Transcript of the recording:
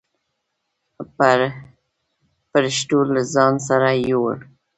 پرښتو له ځان سره يووړ.